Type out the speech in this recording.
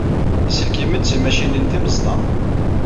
Iselkimen d timacinin timeẓda.